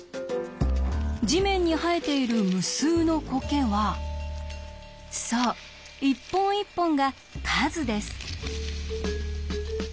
地面に生えている無数のコケはそう一本一本が「数」です。